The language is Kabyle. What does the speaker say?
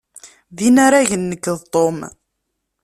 D inaragen nekk d Tom.